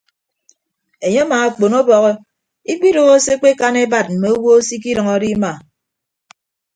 Enye amaakpon ọbọhọ ikpidooho se ekpekan ebat mme owo se ikidʌñọ do ema.